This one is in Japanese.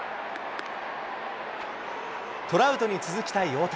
トラウトに続きたい大谷。